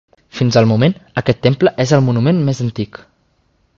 Fins al moment, aquest temple és el monument més antic.